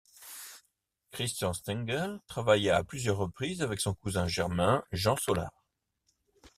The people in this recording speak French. Christian Stengel travailla à plusieurs reprises avec son cousin germain, Jean Solar.